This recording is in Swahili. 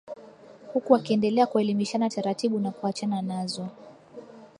huku wakiendelea kuelimishana taratibu na kuachana nazo